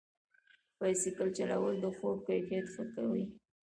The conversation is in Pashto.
بایسکل چلول د خوب کیفیت ښه کوي.